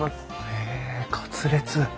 へえカツレツ。